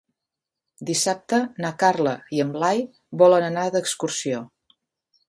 Dissabte na Carla i en Blai volen anar d'excursió.